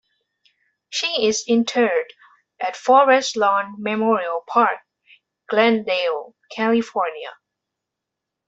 She is interred at Forest Lawn Memorial Park, Glendale, California.